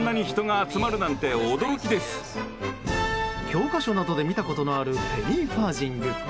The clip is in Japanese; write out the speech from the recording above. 教科書などで見たことのあるペニーファージング。